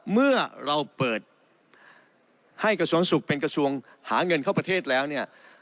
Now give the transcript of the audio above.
เมื่อเราเปิดให้กระทรวงสุขเป็นกระทรวงหาเงินเข้าประเทศแล้วเนี่ย